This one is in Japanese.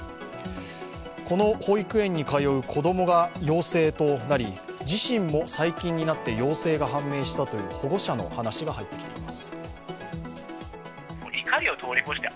この保育園に通う子どもが陽性となり自身も最近になって陽性が判明したという保護者の話が入ってきています。